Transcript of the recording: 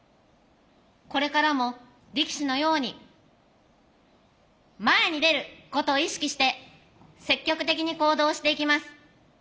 これからも力士のように「前に出る」ことを意識して積極的に行動していきます。